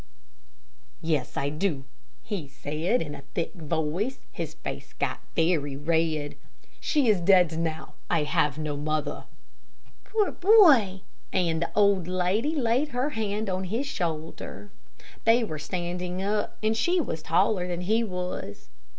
"Yes, I do," he said in a thick voice, and his face got very red. "She is dead now I have no mother." "Poor boy!" and the old lady laid her hand on his shoulder. They were standing up, and she was taller than he was.